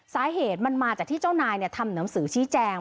สาเหตุมันมาจากที่เจ้านายทำหนังสือชี้แจง